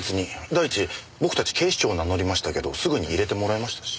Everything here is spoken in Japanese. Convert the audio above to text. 第一僕たち警視庁を名乗りましたけどすぐに入れてもらえましたし。